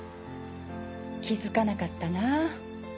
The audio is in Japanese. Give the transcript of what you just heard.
気付かなかったなぁ